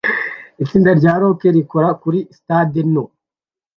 Itsinda rya rock rikora kuri stade nto